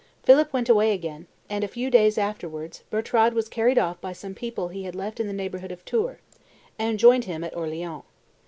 Philip went away again; and, a few days afterwards, Bertrade was carried off by some people he had left in the neighborhood of Tours, and joined him at Orleans.